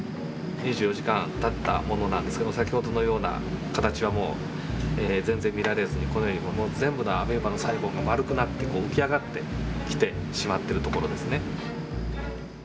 ２４時間たったものなんですけど先ほどのような形はもう全然見られずにこのように全部のアメーバの細胞が丸くなって浮き上がってきてしまっているところですね。